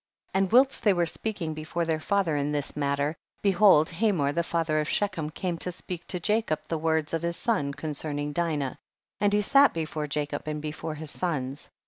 23. And whilst they were speak ing before their father in this matter, behold Hamor the father of She chem came to speak to Jacob the words of his son concerning Dinah, and he sat before Jacob and before his sons.